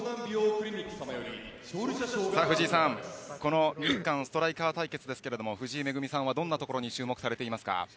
藤井さんこの日韓ストライカーですが藤井惠さんはどんなところに注目されていますか。